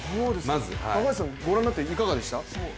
高橋さん、ご覧になっていかがですか？